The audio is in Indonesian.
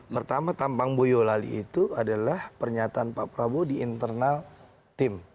pertama tampang boyolali itu adalah pernyataan pak prabowo di internal tim